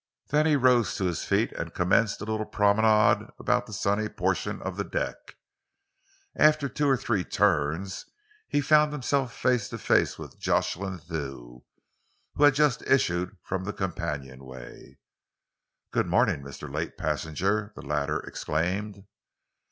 Then he rose to his feet and commenced a little promenade about the sunny portion of the deck. After two or three turns he found himself face to face with Jocelyn Thew, who had just issued from the companionway. "Good morning, Mr. Late Passenger!" the latter exclaimed.